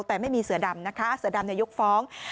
แต่ไม่มีเสือดำนะคะเสือดำยกฟ้อง